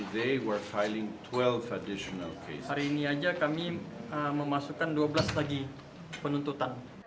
jadi hari ini kami memasukkan dua belas penuntutan lagi